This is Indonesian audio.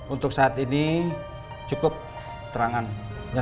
untuk saat ini cukup terangan